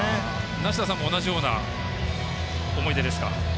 梨田さんも同じような思い出ですか？